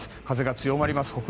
風が強まります。